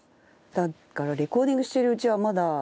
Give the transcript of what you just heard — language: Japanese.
だからレコーディングしているうちはまだ。